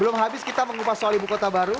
belum habis kita mengupas soal ibu kota baru